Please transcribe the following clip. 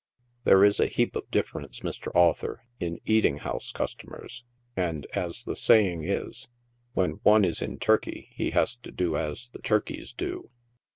There is a heap of difference, Mr. Author, in eating house cus tomers, and as the saying is, " when one is in Turkey, he has to do as the Turkeys do."